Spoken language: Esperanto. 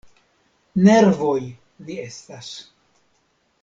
Nervoj ni estas.